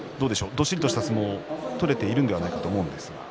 どっしりとした相撲が取れているんじゃないかと思いますが。